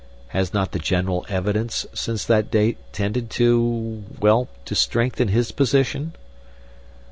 Has not the general evidence since that date tended to well, to strengthen his position?"